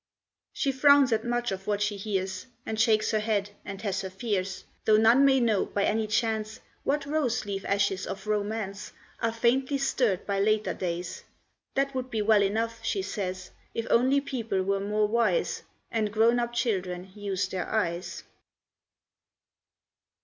She frowns at much of what she hears, And shakes her head, and has her fears; Though none may know, by any chance, What rose leaf ashes of romance Are faintly stirred by later days That would be well enough, she says, If only people were more wise, And grown up children used their eyes.